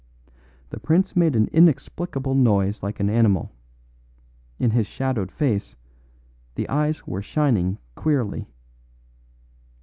The prince made an inexplicable noise like an animal; in his shadowed face the eyes were shining queerly.